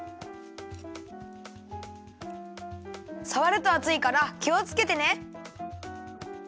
さわるとあついからきをつけてね。